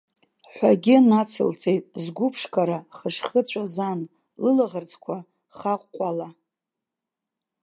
Ҳәагьы нацылҵеит, згәыԥшқара хышхыҵәаз ан, лылаӷырӡқәа хаҟәҟәала.